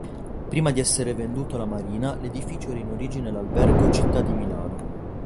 Prima di essere venduto alla Marina l’edificio era in origine l’albergo "Città di Milano".